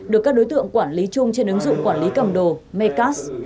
được các đối tượng quản lý chung trên ứng dụng quản lý cầm đồ mecas